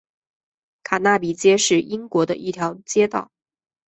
卡纳比街是英国的一条街道。